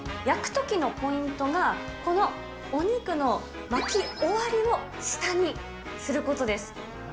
焼くときのポイントがこのお肉の巻き終わりを下にすることです。